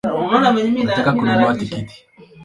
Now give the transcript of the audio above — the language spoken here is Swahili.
Nataka kununua tikiti